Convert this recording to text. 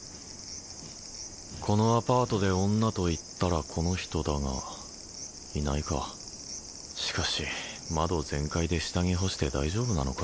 このアパートで女といったらこの人だがいないかしかし窓全開で下着干して大丈夫なのか？